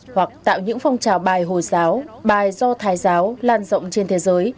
hoặc tạo những phong trào bài hồi giáo bài do thái giáo lan rộng trên thế giới